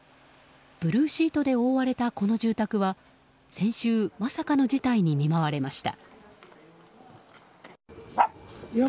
ブルーシートで覆われたこの住宅は先週、まさかの事態に見舞われました。